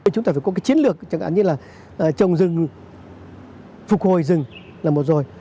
chúng ta phải có cái chiến lược chẳng hạn như là trồng rừng phục hồi rừng là một rồi